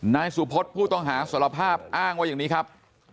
นายสุพศผู้ต้องหาสารภาพอ้างว่าอย่างนี้ครับ